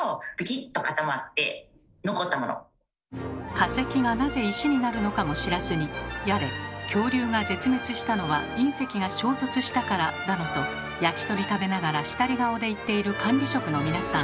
化石がなぜ石になるのかも知らずにやれ「恐竜が絶滅したのは隕石が衝突したから」だのと焼き鳥食べながらしたり顔で言っている管理職の皆さん。